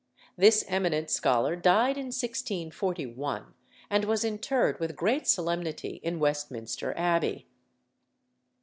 This eminent scholar died in 1641, and was interred with great solemnity in Westminster Abbey.